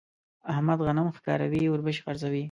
احمد غنم ښکاروي ـ اوربشې خرڅوي.